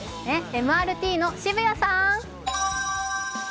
ＭＲＴの澁谷さん。